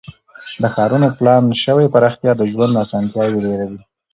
د ښارونو پلان شوې پراختیا د ژوند اسانتیاوې ډیروي.